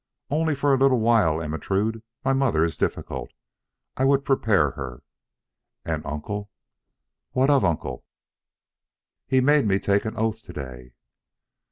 "Only for a little while, Ermentrude. My mother is difficult. I would prepare her." "And Uncle!" "What of Uncle?" "He made me take an oath to day."